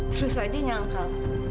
terus aja nyangkal